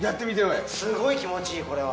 すごい気持ちいい、これは。